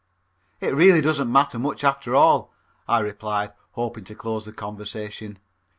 "It really doesn't matter much after all," I replied, hoping to close the conversation.